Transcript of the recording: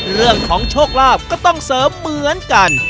เรื่องของโชคลาภก็ต้องเสริมเหมือนกัน